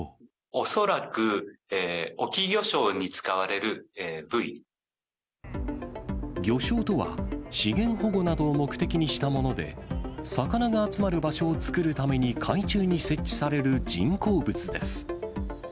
恐らく、漁礁とは、資源保護などを目的としたもので、魚が集まる場所を作るために海中に設置される人工物です。